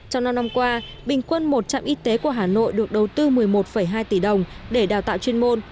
trong năm năm qua bình quân một trạm y tế của hà nội được đầu tư một mươi một hai tỷ đồng để đào tạo chuyên môn